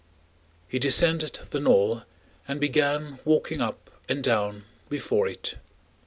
He descended the knoll and began walking up and down before it.